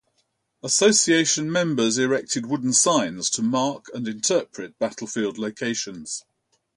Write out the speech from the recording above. Association members erected wooden signs to mark and interpret battlefield locations.